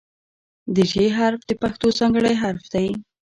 د "ژ" حرف د پښتو ځانګړی حرف دی.